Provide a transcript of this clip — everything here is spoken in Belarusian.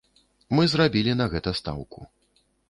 Мы зрабілі на гэта стаўку.